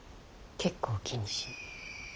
結構気にしい。